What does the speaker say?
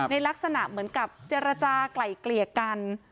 ในลักษณะเหมือนกับเจรจากลายเกลี่ยกัน